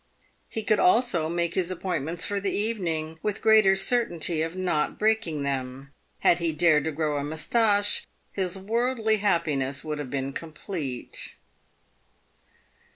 He could also make his appointments for the evening with greater certainty of not breaking them. Had he dared to grow a moustache, his worldly happiness would have been complete.